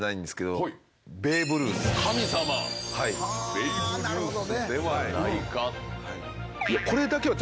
ベーブ・ルースではないか。